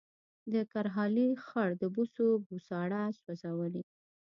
د کرهالې خړ د بوسو بوساړه سوځولې